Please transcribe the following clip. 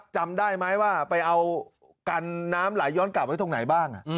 จำได้ไหมว่าไปเอากันน้ำไหลย้อนกลับไว้ตรงไหนบ้าง